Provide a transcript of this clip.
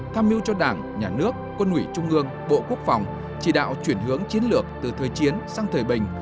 tham mưu cho đảng nhà nước quân ủy trung ương bộ quốc phòng chỉ đạo chuyển hướng chiến lược từ thời chiến sang thời bình